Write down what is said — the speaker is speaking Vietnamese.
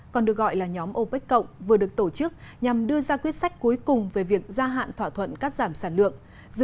còn được gọi là nhóm opec cộng vừa được tổ chức nhằm đưa ra quyết sách cuối cùng về việc gia hạn thỏa thuận cắt giảm sản lượng